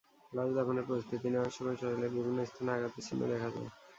লাশ দাফনের প্রস্তুতি নেওয়ার সময় শরীরের বিভিন্ন স্থানে আঘাতের চিহ্ন দেখা যায়।